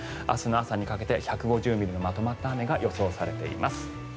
明日の朝にかけて１５０ミリのまとまった雨が予想されています。